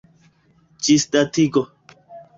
ĝisdatigo